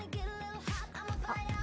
あっ。